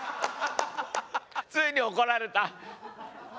ついに怒られた。